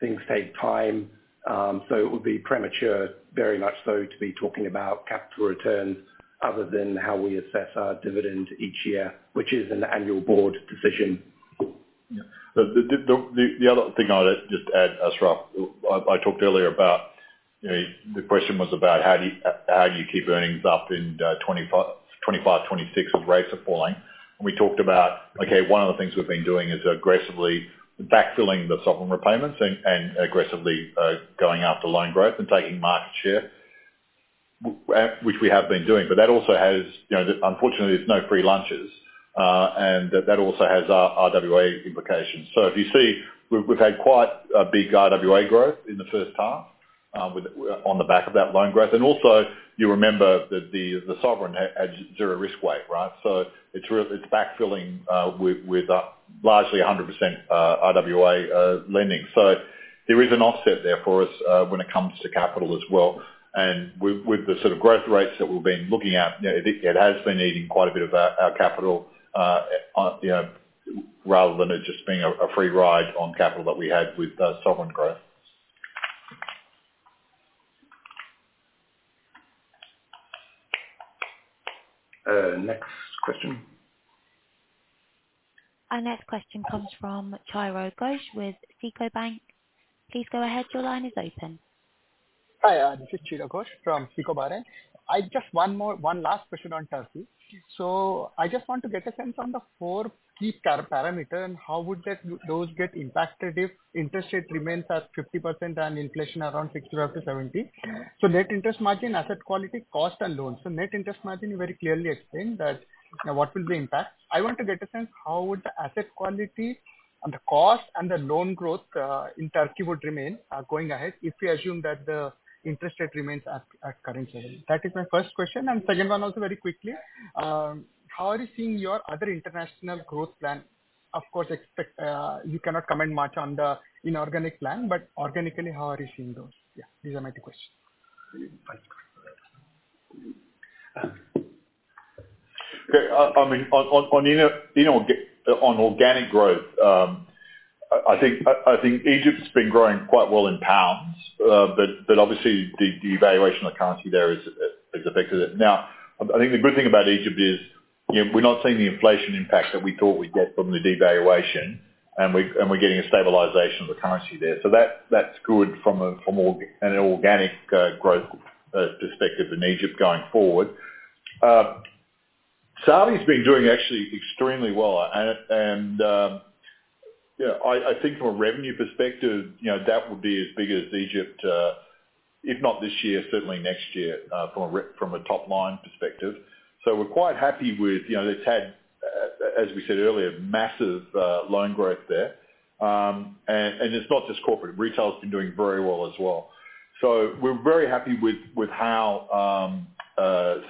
Speaker 3: Things take time. So it would be premature, very much so, to be talking about capital return other than how we assess our dividend each year, which is an annual board decision.
Speaker 2: Yeah. But the other thing I'd just add, Rahul, I talked earlier about, you know, the question was about how do you keep earnings up in 2025, 2026 if rates are falling? And we talked about, okay, one of the things we've been doing is aggressively backfilling the sovereign repayments and aggressively going after loan growth and taking market share, which we have been doing. But that also has, you know, unfortunately, there's no free lunches, and that also has our RWA implications. So if you see, we've had quite a big RWA growth in the first half, with on the back of that loan growth. And also, you remember that the sovereign has zero risk weight, right? So it's backfilling with, with largely 100% RWA lending. So there is an offset there for us when it comes to capital as well. And with the sort of growth rates that we've been looking at, you know, it has been eating quite a bit of our capital on, you know, rather than it just being a free ride on capital that we had with the sovereign growth. Next question.
Speaker 1: Our next question comes from Chiro Ghosh with SICO Bank. Please go ahead. Your line is open.
Speaker 9: Hi, this is Chiro Ghosh from SICO Bank. I just one more, one last question on Turkey. So I just want to get a sense on the four key parameter, and how would that, those get impacted if interest rate remains at 50% and inflation around 60% after 70%? So net interest margin, asset quality, cost, and loans. So net interest margin, you very clearly explained that, you know, what will be impact. I want to get a sense, how would the asset quality and the cost, and the loan growth in Turkey would remain going ahead, if we assume that the interest rate remains at current level? That is my first question. And second one, also very quickly, how are you seeing your other international growth plan? Of course, you cannot comment much on the inorganic plan, but organically, how are you seeing those? Yeah, these are my two questions.
Speaker 2: I mean, on organic growth, I think Egypt has been growing quite well in pounds, but obviously, the devaluation of currency there has affected it. Now, I think the good thing about Egypt is, you know, we're not seeing the inflation impact that we thought we'd get from the devaluation, and we're getting a stabilization of the currency there. So that's good from an organic growth perspective in Egypt going forward. Saudi's been doing actually extremely well. And you know, I think from a revenue perspective, you know, that will be as big as Egypt, if not this year, certainly next year, from a top line perspective. So we're quite happy with, you know, they've had, as we said earlier, massive, loan growth there. And, and it's not just corporate, retail's been doing very well as well. So we're very happy with, with how,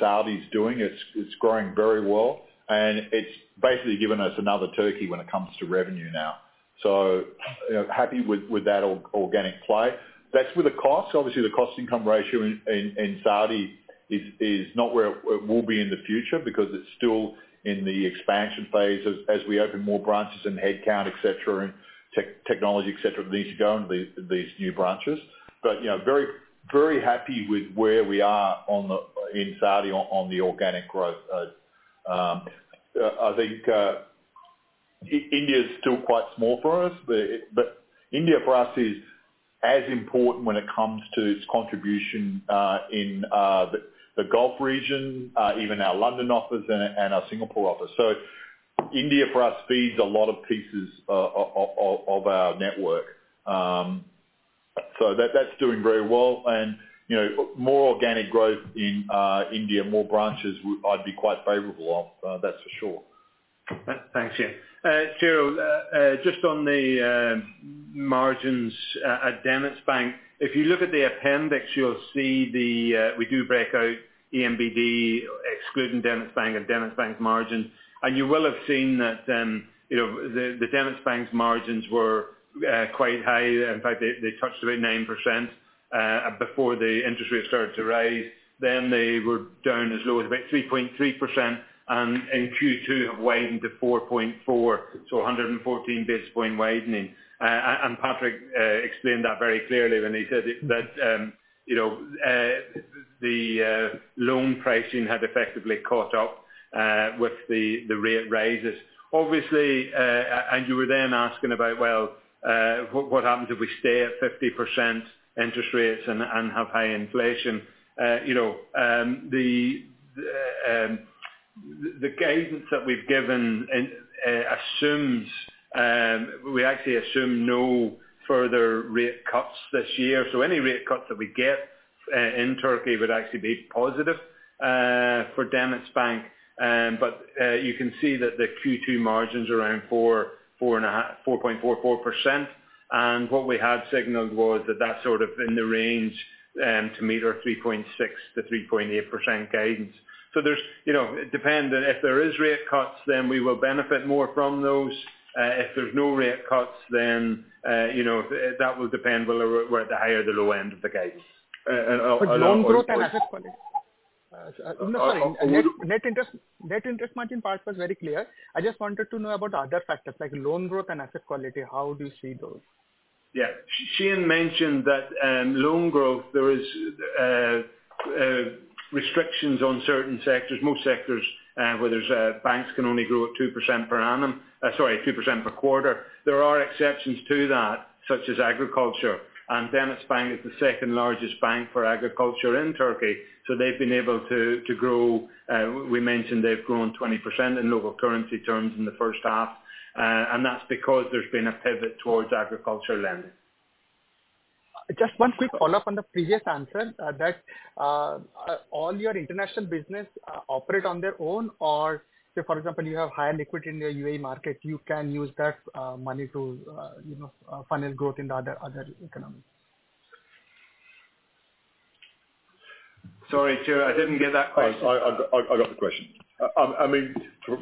Speaker 2: Saudi's doing. It's, it's growing very well, and it's basically given us another Turkey when it comes to revenue now. So, you know, happy with, with that organic play. That's with the cost, obviously, the cost income ratio in, in, in Saudi is, is not where it, it will be in the future, because it's still in the expansion phase as, as we open more branches and headcount, et cetera, and technology, et cetera, needs to go into these new branches. But, you know, very, very happy with where we are on the, in Saudi on, on the organic growth. I think India is still quite small for us, but India for us is as important when it comes to its contribution in the Gulf region, even our London office and our Singapore office. So India for us feeds a lot of pieces of our network. So that's doing very well. And, you know, more organic growth in India, more branches, I'd be quite favorable on, that's for sure.
Speaker 4: Thanks, yeah. Chiro, just on the margins at DenizBank, if you look at the appendix, you'll see the we do break out ENBD, excluding DenizBank and DenizBank margin. You will have seen that, you know, the DenizBank's margins were quite high. In fact, they touched about 9% before the interest rates started to rise. Then they were down as low as about 3.3%, and in Q2 have widened to 4.4%, so 114 basis point widening. Patrick explained that very clearly when he said it, that, you know, the loan pricing had effectively caught up with the rate raises. Obviously... And you were then asking about, well, what, what happens if we stay at 50% interest rates and, and have high inflation? You know, the, the guidance that we've given in, assumes, we actually assume no further rate cuts this year. So any rate cuts that we get, in Turkey would actually be positive, for DenizBank. But, you can see that the Q2 margins around 4, 4 and a half, 4.44%, and what we had signaled was that that's sort of in the range, to meet our 3.6%-3.8% guidance. So there's, you know, it depends, if there is rate cuts, then we will benefit more from those. If there's no rate cuts, then, you know, that will depend whether we're at the higher or the low end of the guidance.
Speaker 9: But loan growth and asset quality? No, sorry. Net interest, net interest margin part was very clear. I just wanted to know about the other factors, like loan growth and asset quality. How do you see those?
Speaker 4: Yeah. Shayne mentioned that, loan growth, there is restrictions on certain sectors, most sectors, where there's banks can only grow at 2% per annum. Sorry, 2% per quarter. There are exceptions to that, such as agriculture, and DenizBank is the second largest bank for agriculture in Turkey, so they've been able to grow. We mentioned they've grown 20% in local currency terms in the first half. And that's because there's been a pivot towards agriculture lending.
Speaker 9: Just one quick follow-up on the previous answer, that all your international business operate on their own? Or say, for example, you have higher liquidity in your UAE market, you can use that money to, you know, finance growth in the other economies.
Speaker 4: Sorry, Shayne, I didn't get that question.
Speaker 2: I got the question. I mean,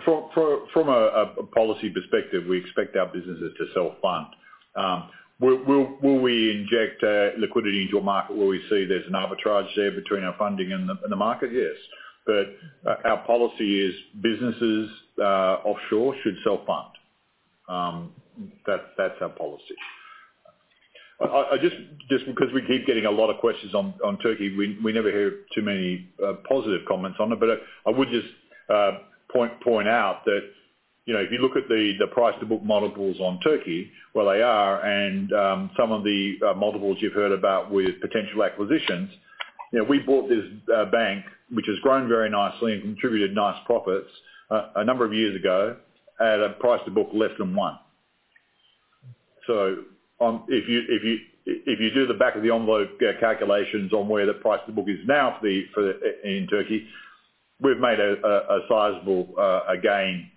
Speaker 2: from a policy perspective, we expect our businesses to self-fund. Will we inject liquidity into a market where we see there's an arbitrage there between our funding and the market? Yes. But our policy is businesses offshore should self-fund. That, that's our policy. I just because we keep getting a lot of questions on Turkey, we never hear too many positive comments on it, but I would just point out that, you know, if you look at the price-to-book multiples on Turkey, where they are, and some of the multiples you've heard about with potential acquisitions, you know, we bought this bank, which has grown very nicely and contributed nice profits a number of years ago, at a price-to-book less than one. So if you do the back-of-the-envelope calculations on where the price-to-book is now for Deniz Turkey, we've made a sizable gain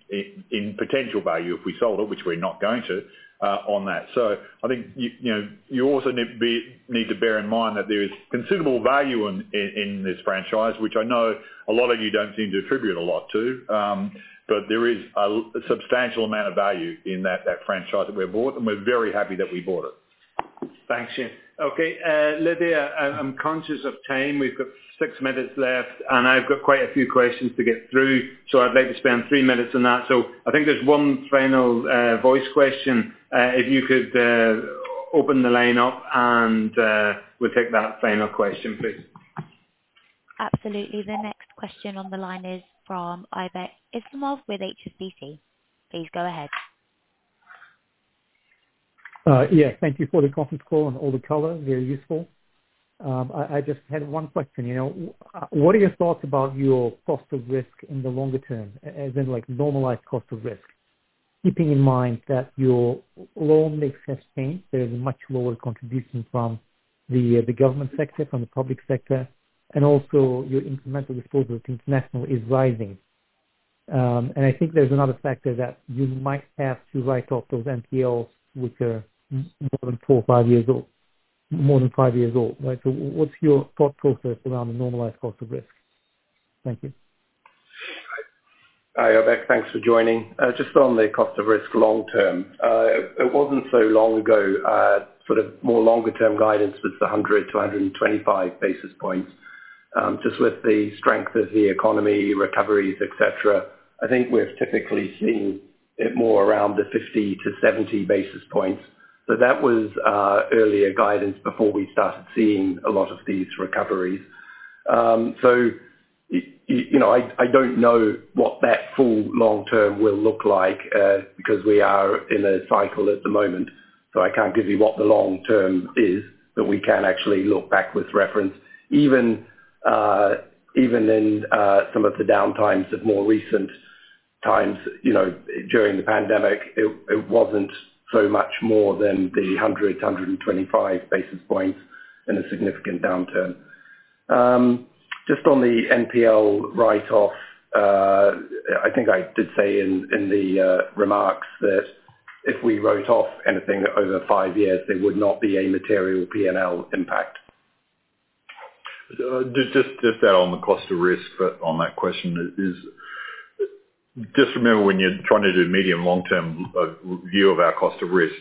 Speaker 2: in potential value if we sold it, which we're not going to on that. So I think, you know, you also need to bear in mind that there is considerable value in, in this franchise, which I know a lot of you don't seem to attribute a lot to, but there is a substantial amount of value in that, that franchise that we bought, and we're very happy that we bought it.
Speaker 4: Thanks, Shane. Okay, Lydia, I'm conscious of time. We've got 6 minutes left, and I've got quite a few questions to get through, so I'd like to spend 3 minutes on that. I think there's 1 final voice question. If you could open the line up, and we'll take that final question, please.
Speaker 1: Absolutely. The next question on the line is from Aybek Islamov with HSBC. Please go ahead.
Speaker 10: Yes, thank you for the conference call and all the color, very useful. I just had one question: You know, what are your thoughts about your cost of risk in the longer term, as in, like, normalized cost of risk? Keeping in mind that your loan mix has changed, there is a much lower contribution from the government sector, from the public sector, and also your incremental exposure to international is rising. And I think there's another factor that you might have to write off those NPL, which are more than four or five years old, more than five years old, right? So what's your thought process around the normalized cost of risk? Thank you.
Speaker 4: Hi, Aybek, thanks for joining. Just on the cost of risk long term. It wasn't so long ago, sort of more longer-term guidance was 100-125 basis points. Just with the strength of the economy, recoveries, et cetera, I think we've typically seen it more around the 50-70 basis points. But that was earlier guidance before we started seeing a lot of these recoveries. So you know, I don't know what that full long term will look like, because we are in a cycle at the moment, so I can't give you what the long term is, but we can actually look back with reference. Even, even in some of the downtimes of more recent times, you know, during the pandemic, it wasn't so much more than the 100 to 125 basis points in a significant downturn. Just on the NPL write-off, I think I did say in the remarks that if we wrote off anything over five years, there would not be a material PNL impact.
Speaker 2: Just add on the cost of risk, but on that question is, just remember, when you're trying to do medium, long-term review of our cost of risk,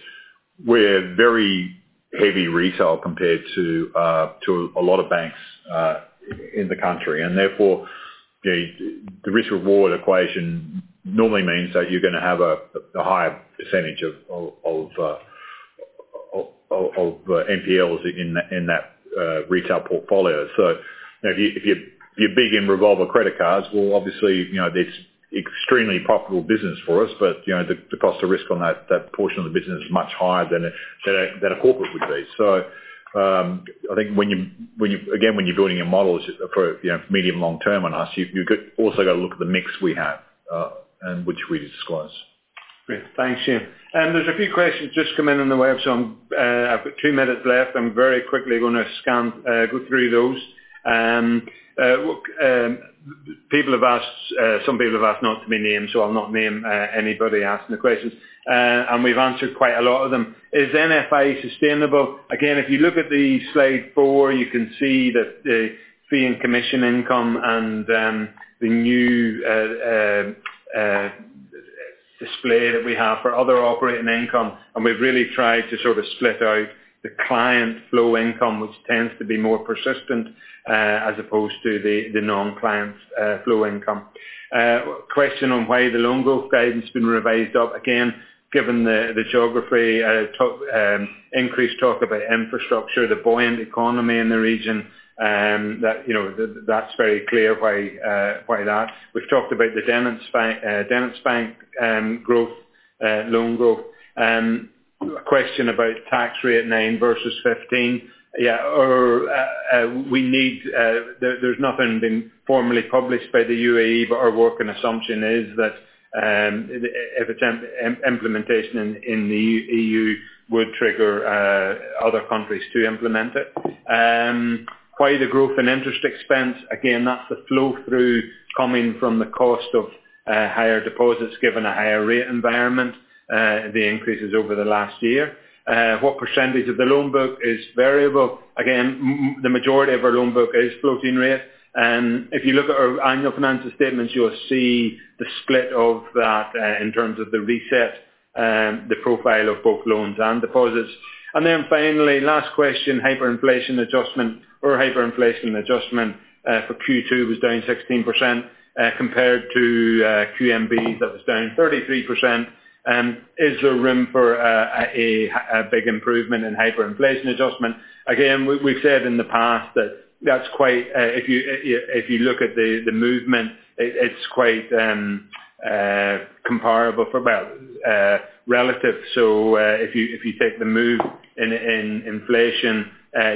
Speaker 2: we're very heavy retail compared to a lot of banks in the country, and therefore, the risk reward equation normally means that you're gonna have a higher percentage of NPLs in that retail portfolio. So, you know, if you're big in revolver credit cards, well, obviously, you know, that's extremely profitable business for us, but, you know, the cost of risk on that portion of the business is much higher than a corporate would be. So, I think when you're building your models for, you know, medium, long term on us, you could also gotta look at the mix we have, and which we disclose.
Speaker 4: Great. Thanks, Shayne. And there's a few questions just come in on the web, so, I've got 2 minutes left. I'm very quickly gonna scan, go through those. People have asked, some people have asked not to be named, so I'll not name anybody asking the questions. And we've answered quite a lot of them. Is NFI sustainable? Again, if you look at the slide 4, you can see that the fee and commission income and, the new display that we have for other operating income, and we've really tried to sort of split out the client flow income, which tends to be more persistent, as opposed to the, the non-client's flow income. Question on why the loan growth guidance been revised up? Again, given the geography, increased talk about infrastructure, the buoyant economy in the region, that, you know, that's very clear why, why that. We've talked about the DenizBank growth, loan growth. A question about tax rate 9 versus 15. Yeah, we need... There, there's nothing been formally published by the UAE, but our working assumption is that, if a 10% implementation in the EU would trigger other countries to implement it. Why the growth in interest expense? Again, that's the flow-through coming from the cost of higher deposits, given a higher rate environment, the increases over the last year. What percentage of the loan book is variable? Again, the majority of our loan book is floating rate. If you look at our annual financial statements, you'll see the split of that, in terms of the reset, the profile of both loans and deposits. And then finally, last question, hyperinflation adjustment for Q2 was down 16%, compared to Q1, that was down 33%. Is there room for a big improvement in hyperinflation adjustment? Again, we've said in the past that that's quite... If you look at the movement, it's quite comparable from a relative. So, if you take the move in inflation,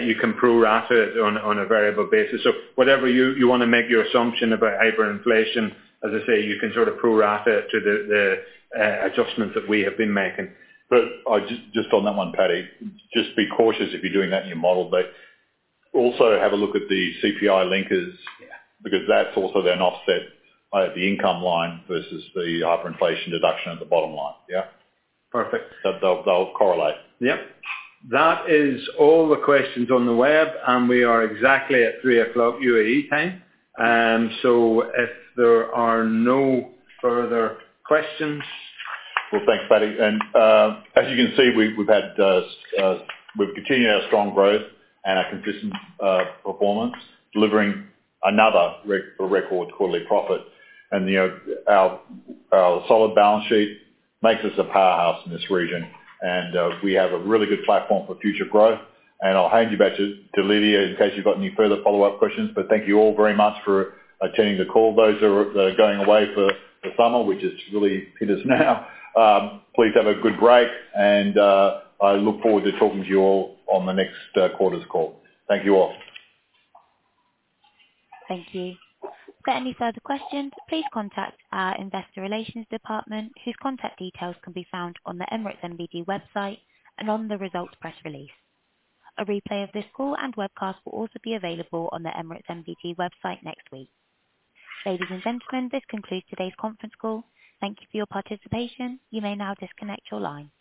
Speaker 4: you can prorate it on a variable basis. Whatever you wanna make your assumption about hyperinflation, as I say, you can sort of prorate it to the adjustments that we have been making.
Speaker 2: But, just, just on that one, Paddy, just be cautious if you're doing that in your model, but also have a look at the CPI linkers-
Speaker 4: Yeah.
Speaker 2: - because that's also then offset at the income line versus the hyperinflation deduction at the bottom line. Yeah?
Speaker 4: Perfect.
Speaker 2: So they'll, they'll correlate.
Speaker 4: Yep. That is all the questions on the web, and we are exactly at 3:00 P.M. UAE time. If there are no further questions.
Speaker 2: Well, thanks, Patty. And, as you can see, we've continued our strong growth and our consistent performance, delivering another record quarterly profit. And, you know, our solid balance sheet makes us a powerhouse in this region, and we have a really good platform for future growth. And I'll hand you back to Lydia, in case you've got any further follow-up questions. But thank you all very much for attending the call. Those who are going away for summer, which is really hit us now, please have a good break, and I look forward to talking to you all on the next quarters call. Thank you, all.
Speaker 1: Thank you. For any further questions, please contact our investor relations department, whose contact details can be found on the Emirates NBD website and on the results press release. A replay of this call and webcast will also be available on the Emirates NBD website next week. Ladies and gentlemen, this concludes today's conference call. Thank you for your participation. You may now disconnect your line.